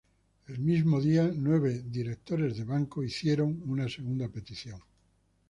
El mismo día, nueve directores del banco pidieron una segunda petición.